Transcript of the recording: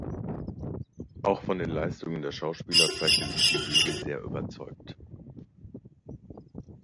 Auch von den Leistungen der Schauspieler zeigte sich die Jury sehr überzeugt.